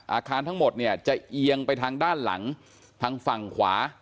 อาคารทั้งหมดเนี่ยจะเอียงไปทางด้านหลังทางฝั่งขวา